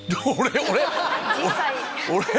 俺⁉